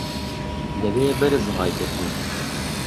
لەوێ بەرز ڕایگرتوون